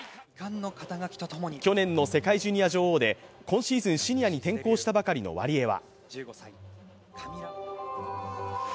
去年の世界ジュニア女王で今シーズン、シニアに転向したばかりのワリエワ。